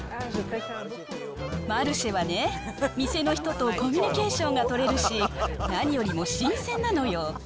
マルシェはね、店の人とコミュニケーションが取れるし、何よりも新鮮なのよ。